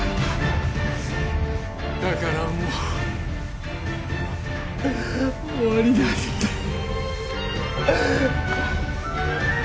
だからもう終わりなんだよ